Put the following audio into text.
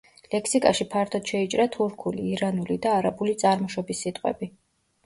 ლექსიკაში ფართოდ შეიჭრა თურქული, ირანული და არაბული წარმოშობის სიტყვები.